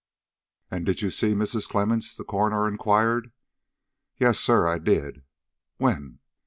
"And did you see Mrs. Clemmens?" the coroner inquired. "Yes, sir; I did." "When?"